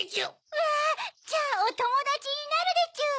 うわじゃあおともだちになるでちゅ！